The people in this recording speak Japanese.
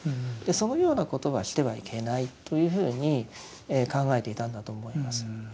そのようなことはしてはいけないというふうに考えていたんだと思います。